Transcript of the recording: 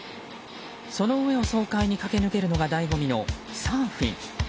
その上を爽快に駆け抜けるのが醍醐味のサーフィン。